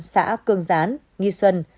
xã cương gián nghi xuân